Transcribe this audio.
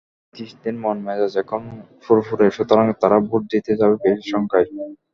ব্রিটিশদের মন-মেজাজ এখন ফুরফুরে, সুতরাং তারা ভোট দিতে যাবে বেশি সংখ্যায়।